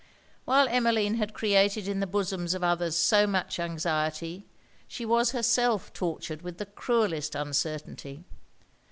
While Emmeline had created in the bosoms of others so much anxiety, she was herself tortured with the cruellest uncertainty.